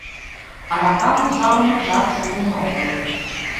Аракам ужалыме жап шуын огыл.